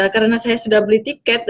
karena saya sudah beli tiket